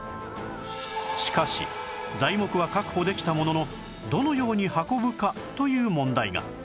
しかし材木は確保できたもののどのように運ぶかという問題が